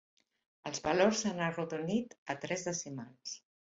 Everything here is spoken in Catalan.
Els valors s'han arrodonit a tres decimals.